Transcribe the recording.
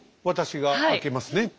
私が開けますね。